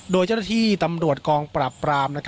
โดยเจ้าหน้าที่ตำรวจกองปราบปราม